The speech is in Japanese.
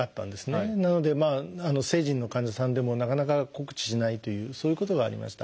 なので成人の患者さんでもなかなか告知しないというそういうことがありました。